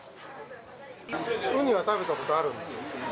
ウニは食べたことあるんですか。